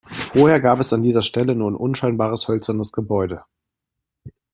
Vorher gab es an dieser Stelle nur ein unscheinbares hölzernes Gebäude.